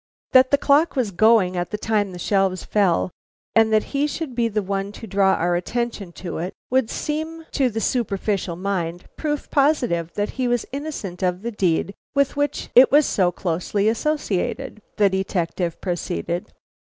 "That the clock was going at the time the shelves fell, and that he should be the one to draw our attention to it would seem to the superficial mind proof positive that he was innocent of the deed with which it was so closely associated," the detective proceeded.